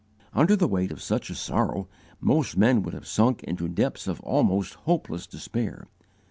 Under the weight of such a sorrow, most men would have sunk into depths of almost hopeless despair.